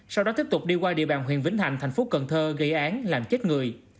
sau đó tiếp tục đi qua địa bàn huyện vĩnh thạnh tp cn gây án làm chết người